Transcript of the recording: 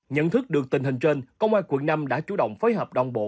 nhận thức được tình hình trên công an quận năm đã chủ động phối hợp đồng bộ